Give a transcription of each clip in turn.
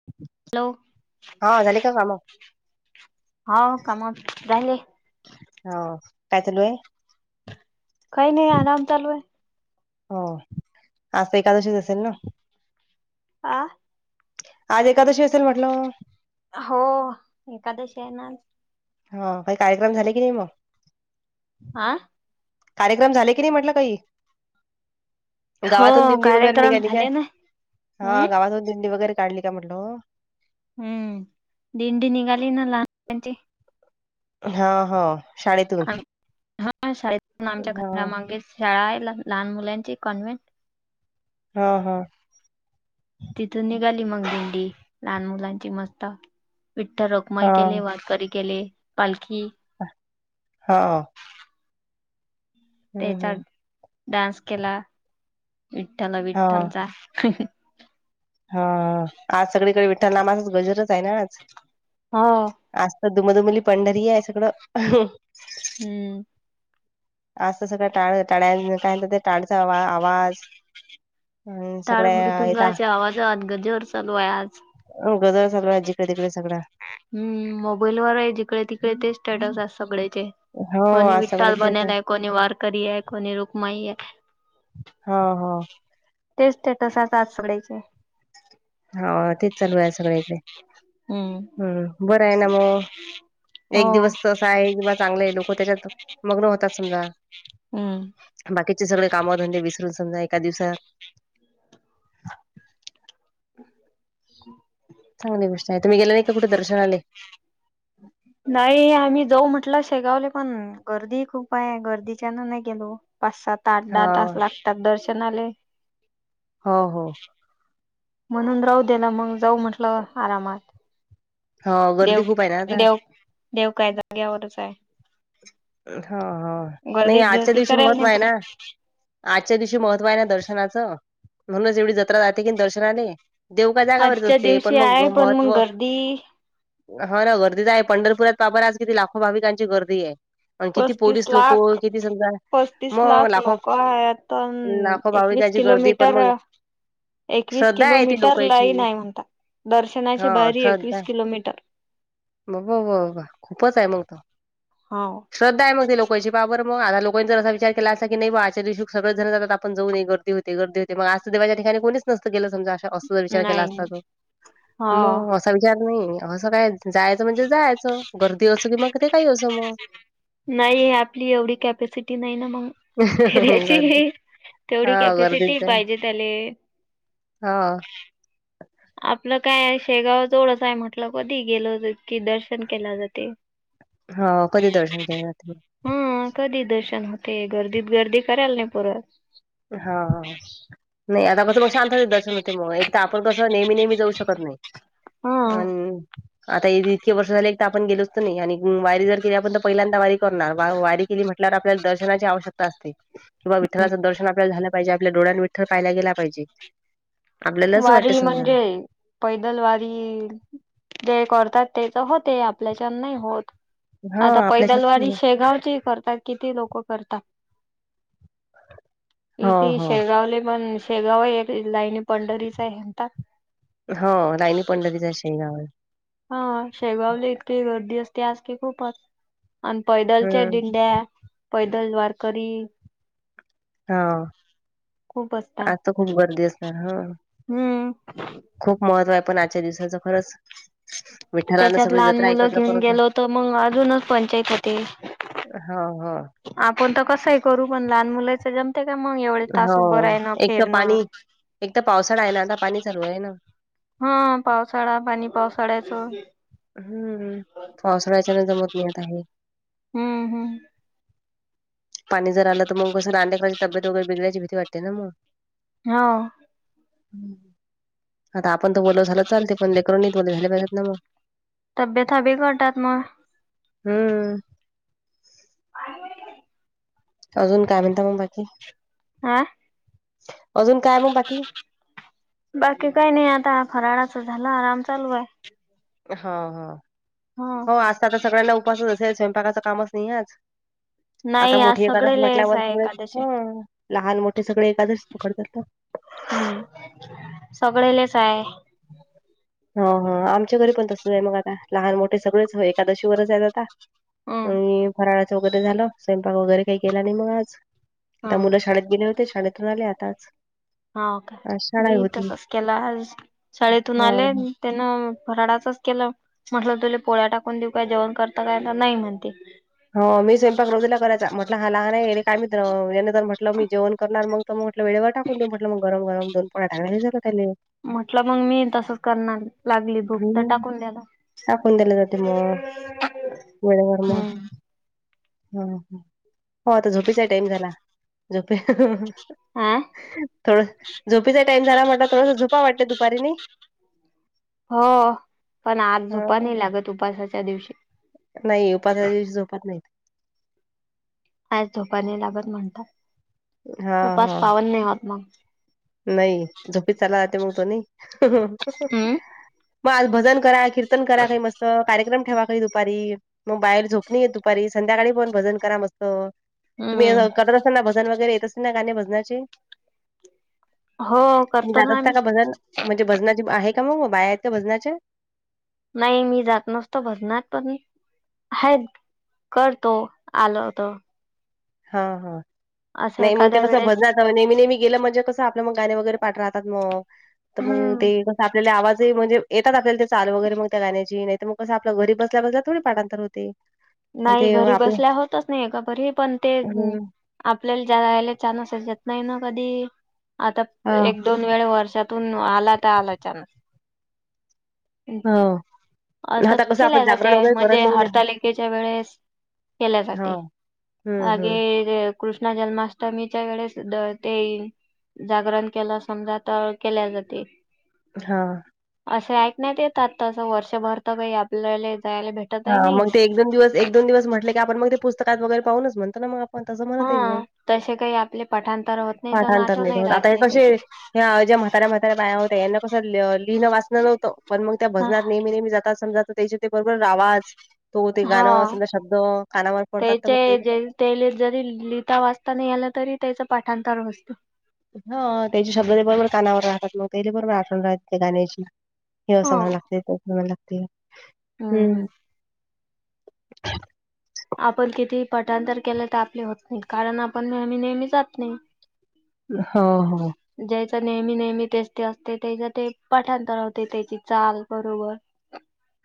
ह [inaudible] हॅलो. हा झाले का काम? हाव काम झाले. हो काय चालू आहे? काही नाही आराम चालू ये. हो आज एकादशीच असेल ना? आ. आज एकादशी असेल म्हटल? हो एखादशी आहे ना आज. ह काही कार्यक्रम झाले की नाही मग? आं? कार्यक्रम झाले की नाही म्हटलं काही? गावातून हो दिंडी वगैरे कार्यक्रम निघाली काय झाले ना हा हम्म गावातून दिंडी वगैरे काढली का म्हटलं? हम्म, दिंडी निघाली ना लहान मुलांची. हा हा शाळेतून. हा शाळेत आमच्या हा घरामागे शाळा आहे लहान मुलांची कॉन्व्हेंट. हा हा. तिथून निघाली मग दींडी लहान मुलांची मस्त. विठ्ठल हा रोखमाई केले. वारकरी केले, पालखी हा. हम्म त्याचा हम्म डान्स केला विठ्ठल, हा विठ्ठलचा. हा आज सगळीकडे विठ्ठल नामाचाच गजरच आहे ना आज. हो आज तर दुमदुमली पंढरी आहे सगळं. हम्म. आज तर सगळं टाळ, टाळ काही ते टाळचा आवाज. अन् सगळ्या टाळमृदुंगाच्या आवाजात गजर चालू आहे आज. हो गजर चालूय आज जिकडे, तिकडे सगळा. हम्म, मोबाईल वर आहे जिकडे तिकडे तेच स्टॅटस आहेत सगळ्याचे. हो कोणी आज सगळे विठ्ठाल तेच बनेल आहे, कोणी वारकरी आहे, कोणी रुखमाईे आहे. हा हा. तेच स्टेटस आता आज सगळ्याचे. हो तेच चालू आहे सगळ्या इकडे. हम्म हम्म, बरं आहे ना मग हो. एक दिवस [unintelligible] आहे किंवा चांगले आहे लोक त्याच्यात मग्न होतात समजा. हम्म अनं बाकीचे सगळे कामधंदे विसरून समजा एका दिवसात [unintelligible] चांगली गोष्ट हाय, तुम्ही गेले नाहीत का कुठं दर्शनाले नाही, आम्ही जाऊ म्हटलं, शेगावल पण गर्दीही खूप आय. गर्दीच्यान नाय गेलो. पाच, सा, आठ, दहा हा तास लागतात दर्शनाले. हो हो. म्हणून राहू दे म, जाऊ म्हटलं आरामात हो गर्दी देव, खूप आहे ना आता देव, देव काय जाग्यावरच हाय. हा हा, नाही गर्दीत आजच्या गर्दी दिवशी करायला महत्त्व नाही हाय ना पुरत. आजच्या दिवशी महत्व हाय ना दर्शनाचं, म्हणूनच एवढी जत्रा जाते की दर्शनाले. देव काय जगावरच आजच्या असते, दिवशी पण मग आहे पण मग महत्त्व गर्दी हा ना, गर्दी त हाय, पंढरपुरात पाहा बरं आज किती? लाखो भाविकांची गर्दी आये. पस्तीस लाख, पस्तीस मग लाख लाखो लोक हायात. अनं लाखो एकवीस भाविकांची गर्दी किलोमी पण टर मग एकवीस श्रद्धा आहे ती किलोमीटर लाईन लोकांची हाय म्हणता. दर्शनाची हा बारी एकवीस किलोमीटर बा बा ब ब ब खूपच आहे मंग त हाव श्रद्धा हाय म ते लोकांची पाहा बरं म आता लोकंनी जरं अस विचार केला असता की नाही बा आजच्या दिवशी सगळचं जण जातात, आपण जाऊ नय कं ते. गर्दी होते. मग आज त देवाच्या ठीकाणी कोणीच नसतं गेलं समजा अस जर विचार केला नाही असता त हा म समजा नाही असं काय, जायांचं म्हणजे जायांचं, गर्दी असो की मग ते काही असो मग नाही, आपली एवढी कॅपॅसिटी नाही ना मंग फिरायची गर्दी ही, हा तेवढी गर्दीच कॅपॅसिटीही आहे. पाहिजे त्याले हा आपलं काय, शेगाव जवळच हाय. म्हटलं कधी ही गेल की दर्श र्शन केला जातय. हो कधी दर्शन केले जाते मग हूं, कधीही दर्शन होतय. गर्दीत गर्दी करायला नाय पर हा हा नाही, आता कसं मग शांततेत दर्शन होतय. मग एक त आपण कसं नेहमी नेहमी जाऊ शकत नाय. हा अनं आता इ इतके वर्ष झाले एक त आपण गेलोचं त नाय. आणि वारी जर केली आपण तर पहिल्यांदा वारी करणार, वा वारी केली म्हटल्यावर आपल्याला दर्शनाची आवश्यकता असते. किंवा विठ्ठलाच दर्शन आप झाल पाहिजे. आपल्या डोळ्यांनी विठ्ठल पाहिला गेला पाहिजे. आपल्याला असं वाटते वारी समजा म्हणजे पैदल वारी, जे करतात तेच होते, आपल्याच्यान नाही होत. हा आता आपल्याच्यात पैदलवारी शेगावची ही करताय. किती लोक करता हो इथे हो शेगावले पण, शेगाव एक लाईनी पंढरीच आहे म्हणता हो, लाईनी पंढरीच हाय शेवगांव हा, शेगावला इतकी गर्दी असते आज की, खूपच आणि पैदलच्या हम्म दिंड्या, पैदल वारकरी हा, खूप असतात. आता खूप गर्दी असणार. ह हम्म खूप महत्त्व हाय पण, आजच्या दिवसाचं खरंच विठ्ठलानं त्याच्यात सगळी लहान जत्रा मुलं एकत्र घेऊन करून ठेव गेलो त मंग अजूनच पंचायत होते. हा हा आपण त कसंही करू पण लहान मुलाच ज ते का म एवढे तास उभं राहिन फिरणं एकदा पावसाळा आय ना आता पाणी चालू आय ना. हा पावसाळा पाणी पावसाळ्याच. हम्म, पावसाळ्याच्या हेन जमत नाय आता हे. हम्म हम्म. पाणी जर आलं तर मग कसं लहान लेकराची तब्येत वगैर बिगडायची भीती वाटते ना म. हा. हम्म. आता आपण त वल झाल चालते पण लेकर नायत वल झाले पाहिजेत ना म. [unintelligible] बी गोट्यात म हम्म. आले वाहिनी. अजून काय म्हणता म बाकी? आ? अजून काय म बाकी? बाकी काय नाय आता फराळाच झाल आराम चालू आय. हा हा, हो आज तर आता सगळ्यांना उपवासच असेल स्वयंपाकाचं कामच नाहीये आज. आता नाही आज मोठी सगळे एखादस लेस म्हटल्यावर आहे सगळेच एकादशी हम्. लहान मोठे सगळे एकादस पकडतात ना. हम्म, सगळेलेच आय. हा हा आमच्या घरी पण तसंच आय मग आता लहान मोठे सगळेच एकादशी वरच येताता. हम्म आणि फराळाचं वगैरे झालं स्वयंपाक वगैरे काय केला नाय मग आज. आता हम मुलं शाळेत गेले होते शाळेतून आले आताच. हाव काय, मी ही तसच केला आज शाळेतून हां, आले हां. त्यान फराळाचच केलं म्हटलं तुला पोळ्या टाकून देऊ काय जेवण करत काय तर नाय म्हणते. हो मी स्वयंपाक [unintelligible] करायचा म्हटलं हा लहान आय याने जर म्हटलं मी जेवण करणार मग तर मग म्हटलं वेळेवर टाकून देऊ म्हटलं मग गरम गरम दोन पोळ्या [unintelligible] हे झालं त्याले. म्हटलं मग मी त तस करणार लागली भूक तर हं. टाकून देणार. टाकून दिले जाते मग वेळेवर म. हो आता झोपेचा टाईम झाला झोपे आ? थोड झोपेचा टाईम झाला म्हटलं थोडस झोपाव वाटते ना दुपारी नाई. हो पण आज झोपा हां. नाय लागत उपासाच्या दिवशी. नाय उपवासाच्या दिवशी झोपत नायत. काय झोप नाय लागत म्हणतात, हा उपास पावन नाय होत मग. नाय झोपी चला ते म्हणतो नाय. हम्म म आज भजन करा कीर्तन करा काय मस्त. कार्यक्रम ठेवा काय दुपारी म बाहेर झोप नी येत दुपारी संध्याकाळी पण भजन करा मस्त. तुम्ही अस हम्म करत अस्तान ना भजन वगैरे येत असतीन ना गाणे भजनाचे? हो. तुम्ही करतो ना जातात आम्ही का भजन, म्हणजे भजनाचे आहे का मग बाया आहेत का भजनाच्या? नाय मी जात नसतो भजनात पण हायत करतो आल होत. हा हा असं नाही मग ते एखाद्या कसं वेळेस भजनाचां नेहमी नेहमी. गेलं म्हणजे कसं आपल्या मग गाणे वगैरे पाठ राहतात मग. तर मग ते हम्म कसं आपल्याला आवाज म्हणजे येतात ते चाल मग त्या गाण्याची नाही. तर मग कसं आपलं घरी बसल्या बसल्या थोडी पाठांतर होते. आणि नाही ते घरी आपलं बसल्या होतच नाही का घरी पण ते. हं, आपल्याला जायला छान असायच्यात नाही ना कधी आता हां, एक. दोन वेळा वर्षातून आला तर आला छानस. हा असं केल्या जाते म्हणजे नाही ना. हरतालिकेच्या वेळेस केल्या जाते. हां. हं, हं. अगे कृष्ण जन्माष्टमीच्याकडे वेळेस ते. जागरण केलं समजा तर केल्या जाते. हा असे ऐकण्यात येतात तसं वर्षभर तर काही आपल्याला जायला भेट. हा मग ते एक दोन दिवस एक दोन दिवस म्हटले की आपण मग ते पुस्तकात वगैरे पाहूच म्हणत ना मग. पण तसं म्हणत आहे हा तसे काही आपले पाठांतर होत नाही तर पाठांतर नाटो नाही आता राहत हे कसे. त्याचे ह्या ज्या म्हाताऱ्या म्हाताऱ्या बाया होत्या यांना कसं लिहिणंचं वाचन पण मग त्या हा भजनात नेहमी नेहमी जात. समजा त्याचे ते बरोबर आवाज तो ते गाणं हा. समजा शब्द कानावर पडतात तर मग ते. तेले जरी लिहिता वाचताना आला तरी त्याच पाठांतर असत. हा त्याचे शब्द ते बरोबर कानावर राहतात मग ते बरोबर आठवणून राहते ते गाण्याची. हे असं हो. मला लागत ते मला लागते हम्म. [inaudible] आपण किती पाठांतर केलं तर आपले होत नाही कारण आपण नेहमी नेहमी जात नाही. हो हो ज्याचा नेहमी नेहमी तेच ते असते त्याचा ते पाठतरावते त्याची चाल बरोबर.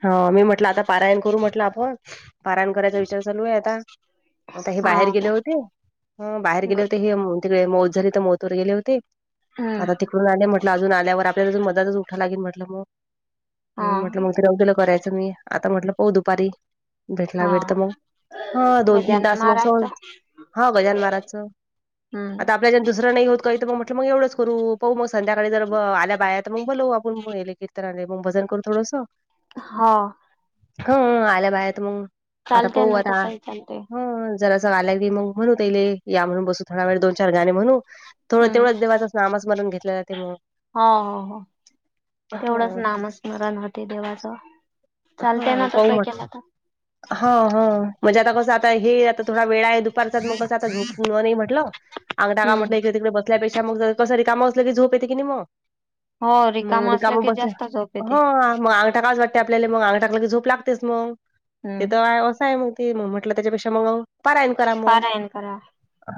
हा मी म्हटलं आता पारायण करू आपण, पारायण करायचा विचार चालू आता. आता हे हा बाहेर गेले होते, बाहेर गेले ग- होते हे. तिकडे मोत झाली तर मोत ववर गेले होते. हम्म तिकून आले म्हटलं अजून आल्यावर आपल्याला अजून मदातच उठा लागेल म्हटलं, मग हा म्हणून म्हटले मग. दिलं करायचं आता म्हटलं बघू दुपारी. भेटला हा वेळ तर मग हा दोन तीन गजानन तास मग महाराजचा सहज हा गजानन महाराजांचं. हम्म आपल्या दुसरं नाही होत काही तर मग म्हटलं मग एवढंच करू मग संध्याकाळी जर आल्या बाया तर मग बोलवु आपण. संध्याकाळी आले तर चल मग भजन करू जरासं. हा ह आल्या बाहेरत मग आता चालते पहू ना आता. तसही चालते जर आले तर की मग म्हणु तेले या म्हणु बसू म्हणे जरासे दोन-चार गाणी म्हणून. तुम्ही हम्म तेव्हा देवाचं नाम स्मरण घेतलेला जाते मग हो हो हो तेवढंच हं, नामस्मरण होते देवाचं. चालते ह ना तसं केलं तर हा हो म्हणजे आता कस आता हे आता थोडा वेळ आहे दु परसात मग कसा झोप आता झोप होणार नाही म्हटलं अंगा का हम्म म्हटल. तिकडे बसल्या पेक्षा मग कसरी काम असलं की झोप येते की नाही मग. हो मंग असलं रिकाम की बसल्या जास्त झोप येते ह मग. टकाच वाटते आपल्याला मग अंगटाकला की झोप लागतेच मग, ते हम्म तर असं आहे मग. ते मग म्हटलं त्याच्यापेक्षा मग पारायन करा मग. पारायण करा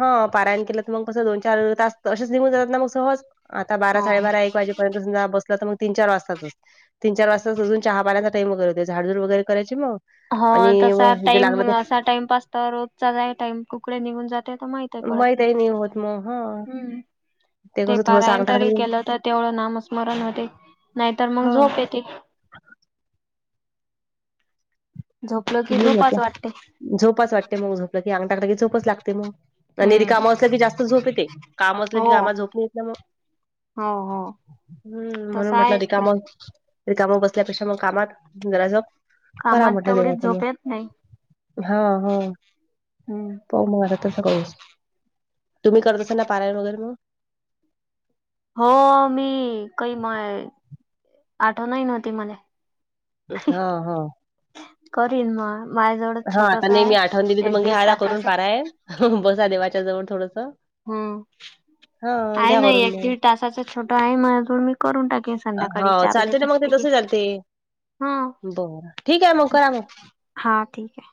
हा पारायन केलं तर मग कसं दोन चार तास असेच निघून जातात ना मग सहज. आता बारा हो साडेबारा एक वाजेपर्यंत बसल तर मग तीन चार वाजताच तीन चार वाजता अजून चहा बाराचा टाईम मग होते मग झाड झुड वैगेरे करायची मग? हो आणि तसा मग जे टाइम लागलं असा टाइमपास तर रोजचा जा आहे टाइम कुकडे निघून जातो. ते तर माहिती पण पडत नाही? मग हा. हम्म ते कसं थोडंसं अंग पारायन तरी टाकलं केलं तर तेवढं नामस्मरण होते नाहीतर मग हा झोप येते. झोपलं की झोपाच वाटते. झोपच वाटते मग झोपलं की अंग टाकलं की झोपच लागते मग. आणि र हम्म काम असलं की जास्त झोप येते काम असलं की हो कामात झोप नाही येत ना मग हो हो हम्म तसं म्हणून म्हटलं आहेच ते. रिकाम. रिकाम बसल्यापेक्षा मग कामात जरा जप कामात तेवढीच झोप येत नाही हम्म हो मग आता तसं करू तुम्ही करत असल ना पारायण वगैरे मग हो मी काही म आठवण नव्हती मला? हा हा करीन मग माझ्या जवळ हां, आता छोटस नाही मी आठवण दिली आहे तर एक मग दीड घ्या आता करून तासाच पारायण. बसा देवाच्या जवळ थोडंस. हम्म आहे ना करून एक मग. दीड तासाच छोटं आहे माझ्याजवळ मी करून टाकेन? संध्याकाळी हां, चारला चालते ना मग ते बसते की. तसं चालते. बरं ठीक आहे मग करा मग. हां ठीक आहे?